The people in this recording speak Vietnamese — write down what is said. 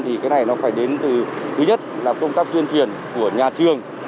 thì cái này nó phải đến từ thứ nhất là công tác tuyên truyền của nhà trường